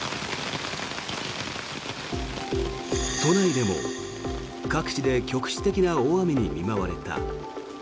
都内でも各地で局地的な大雨に見舞われた。